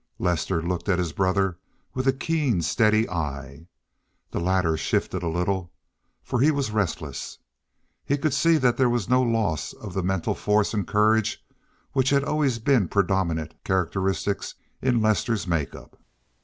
Lester looked at his brother with a keen, steady eye. The latter shifted a little, for he was restless. He could see that there was no loss of that mental force and courage which had always been predominant characteristics in Lester's make up.